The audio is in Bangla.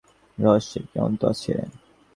এ যে দুর্লভ, এ যে মানবী, ইহার রহস্যের কি অন্ত আছে।